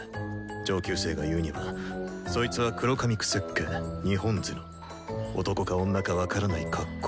上級生が言うにはそいつは黒髪くせっ毛二本ヅノ男か女か分からない格好。